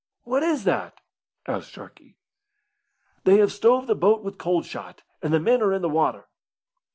"What is that?" asked Sharkey. "They have stove the boat with cold shot, and the men are in the water."